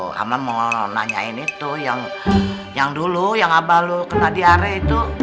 sama mau nanyain itu yang dulu yang abah lo kena diare itu